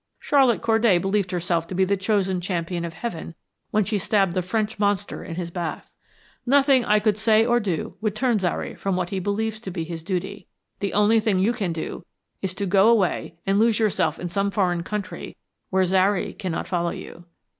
Charlotte Corday believed herself to be the chosen champion of Heaven when she stabbed the French monster in his bath. Nothing I could say or do would turn Zary from what he believes to be his duty. The only thing you can do is to go away and lose yourself in some foreign country where Zary cannot follow you."